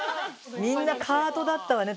みんなカートだったわね